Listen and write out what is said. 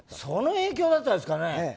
その影響だったんですかね。